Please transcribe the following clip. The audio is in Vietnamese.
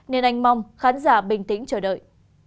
nên anh mong khán giả bình tĩnh chờ đợi